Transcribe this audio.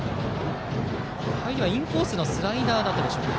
入りはインコースのスライダーでしょうか。